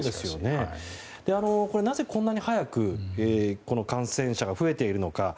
なぜこんなに早く感染者が増えているのか。